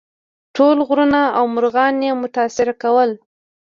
ټول غرونه او مرغان یې متاثر کول.